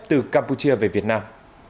từ campuchia về việt nam